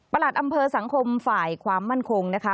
หลัดอำเภอสังคมฝ่ายความมั่นคงนะคะ